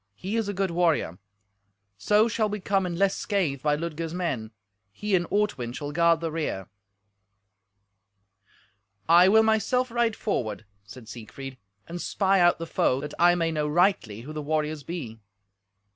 He is a good warrior. So shall we come in less scathe by Ludger's men. He and Ortwin shall guard the rear." "I will myself ride forward," said Siegfried, "and spy out the foe, that I may know rightly who the warriors be."